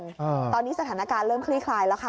อ่าตอนนี้สถานการณ์เริ่มคลี่คลายแล้วค่ะ